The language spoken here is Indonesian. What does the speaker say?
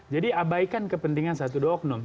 jadi abaikan kepentingan satu doa oknum